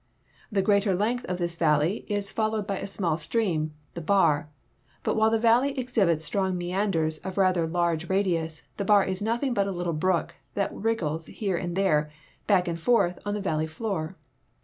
The greater length of this valle}' is followed by a small stream — the Bar; but while the valley exhibits strong meanders of rather large radius, the Bar is nothing l.)ut a little brook that wriggles here and there, back and forth, on the valley floor.